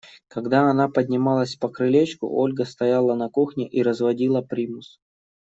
Когда она поднималась по крылечку, Ольга стояла на кухне и разводила примус.